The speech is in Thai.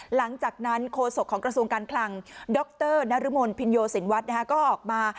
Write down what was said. หลังจากนั้นโฆษกของกระทรวงการคลังดรนรมนภินโยสินวัฒน์ก็ออกมา